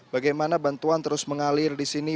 bagaimana bantuan terus mengalir di sini